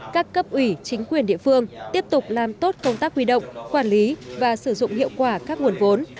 các cấp ủy chính quyền địa phương tiếp tục làm tốt công tác quy động quản lý và sử dụng hiệu quả các nguồn vốn